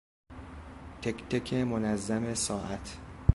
تک تک منظم ساعت